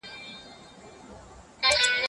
شاه شجاع به جواهرات مهاراجا ته تحویلوي.